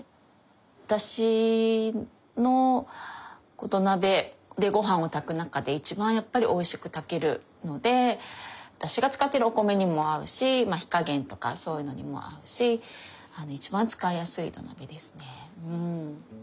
私の土鍋でご飯を炊く中で一番やっぱりおいしく炊けるので私が使ってるお米にも合うし火加減とかそういうのにも合うし一番使いやすい土鍋ですね。